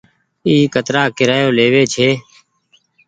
اي ڪترآ ڪيرآيو ليوي ڇي۔